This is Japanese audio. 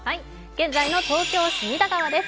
現在の東京隅田川です。